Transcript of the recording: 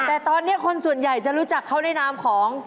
แต่ตอนนี้คนส่วนใหญ่จะรู้จักเขาในนามของ